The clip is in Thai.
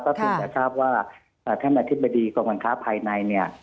เพราะฉันจะทราบว่าท่านนาธิบดีกรรมการค้าภายใน